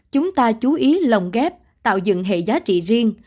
chúng ta chú ý lồng ghép tạo dựng hệ giá trị riêng